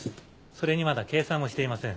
それにまだ計算もしていません。